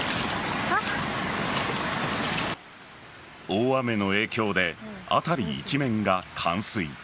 大雨の影響で辺り一面が冠水。